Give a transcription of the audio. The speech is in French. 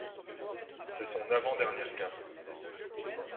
C'est son avant-dernière cape.